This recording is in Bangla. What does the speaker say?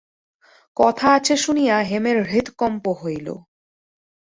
কথা আছে শুনিয়া হেমের হৃৎকম্প হইল।